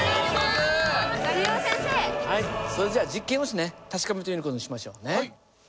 はいそれじゃあ実験をしてね確かめてみる事にしましょうね。